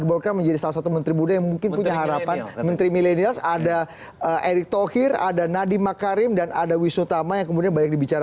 ga membolehkan menjadi salah satu menurut professionalaken m unterses dunia kemungkinan mesej dan menurut baca keadaan seres rom tanto